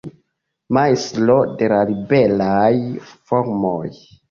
Majstro de la liberaj formoj.